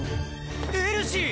エルシー！